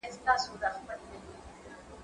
زه به اوږده موده شګه پاکه کړې وم!؟